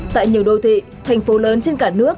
tại nhiều đô thị thành phố lớn trên cả nước